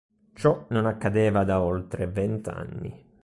Ciò non accadeva da oltre vent'anni.